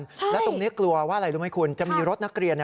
ปล่อยตัวเกราะว่าจะมีรถนักเรียน